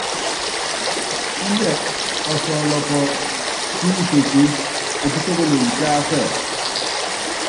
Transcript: Índɛ ɔsɔlɔpɔ, púnyipeseé, opísókolonyi tásɛ.